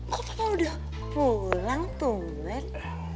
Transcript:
kok papa udah pulang tuhet